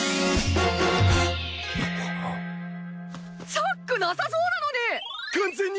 チャックなさそうなのに！